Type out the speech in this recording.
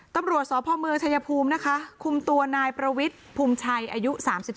ตำรวจสพเมืองชายภูมินะคะคุมตัวนายประวิทย์ภูมิชัยอายุ๓๓